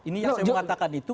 ini yang saya mengatakan itu